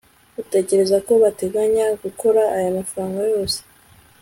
utekereza ko bateganya gukora aya mafranga yose